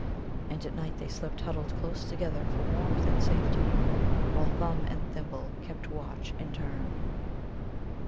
And at night they slept huddled close together for warmth and safety, while Thumb and Thimble kept watch in turn.